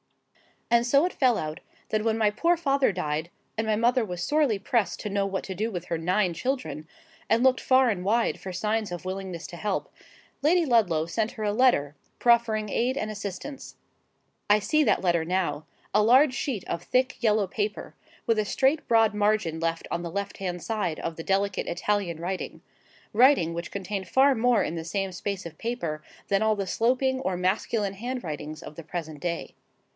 And so it fell out, that when my poor father died, and my mother was sorely pressed to know what to do with her nine children, and looked far and wide for signs of willingness to help, Lady Ludlow sent her a letter, proffering aid and assistance. I see that letter now: a large sheet of thick yellow paper, with a straight broad margin left on the left hand side of the delicate Italian writing,—writing which contained far more in the same space of paper than all the sloping, or masculine hand writings of the present day.